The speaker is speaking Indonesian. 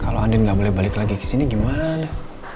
kalau andin nggak boleh balik lagi ke sini gimana